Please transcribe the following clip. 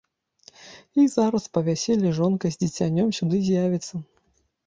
І зараз па вяселлі жонка з дзіцянём сюды з'явіцца.